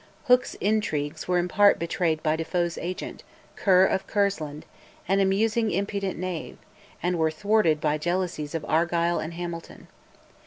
Hooke's intrigues were in part betrayed by De Foe's agent, Ker of Kersland, an amusingly impudent knave, and were thwarted by jealousies of Argyll and Hamilton.